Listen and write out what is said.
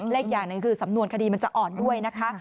และอีกอย่างหนึ่งคือสำนวนคดีมันจะอ่อนด้วยนะคะ